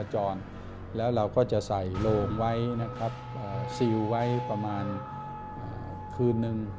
ที่ผจรแล้วเราก็จะใส่โรงไว้ซีลไว้ประมาณคืนหนึ่ง